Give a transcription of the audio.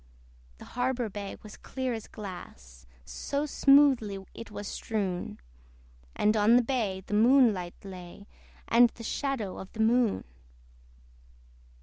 The harbour bay was clear as glass, So smoothly it was strewn! And on the bay the moonlight lay, And the shadow of the moon.